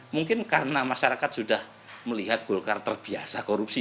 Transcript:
mungkin karena masyarakat sudah melihat golkar terbiasa korupsi